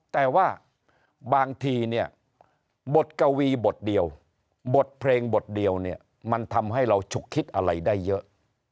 แต่ว่าบางทีเนี่ยบทกวีบทเดียวบทเพลงบทเดียวเนี่ยมันทำให้เราฉุกคิดอะไรได้เยอะ